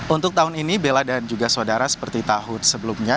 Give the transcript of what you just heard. untuk tahun ini bella dan juga saudara seperti tahun sebelumnya